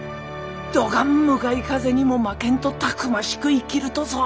どがん向かい風にも負けんとたくましく生きるとぞ。